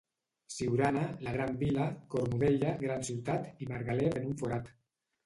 Siurana, la gran vila, Cornudella, gran ciutat i Margalef en un forat.